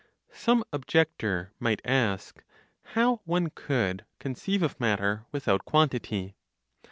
(Some objector) might ask how one could conceive of matter without quantity?